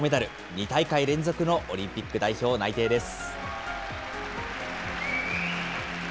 ２大会連続のオリンピック代表内定です。